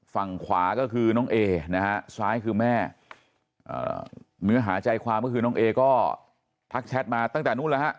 ฝั่งขวาก็คือน้องเอนะฮะซ้ายคือแม่เนื้อหาใจความก็คือน้องเอก็ทักแชทมาตั้งแต่นู้นแล้วฮะ